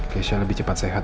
kesha lebih cepat sehat